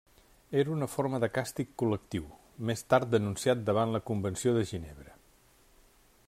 Era una forma de càstig col·lectiu, més tard denunciat davant la Convenció de Ginebra.